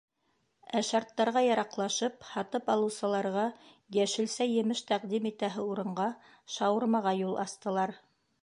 Ә шарттарға яраҡлашып, һатып алыусыларға йәшелсә-емеш тәҡдим итәһе урынға, шаурмаға юл астылар.